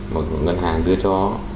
một ngân hàng đưa cho